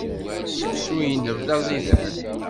Seksu-nnem d aẓidan.